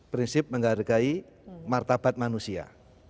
prinsip menghargai martabat manusia